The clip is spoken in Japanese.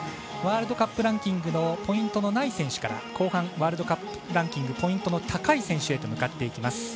ワールドカップランキングのポイントのない選手から後半、ワールドカップランキングポイントの高い選手へと向かっていきます。